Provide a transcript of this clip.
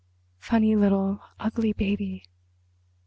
Funny, little, ugly baby."